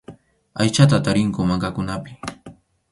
Aychata tarinku mankakunapi.